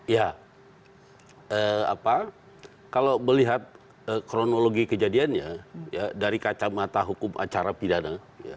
ya kalau melihat kronologi kejadiannya dari kacamata hukum acara pidana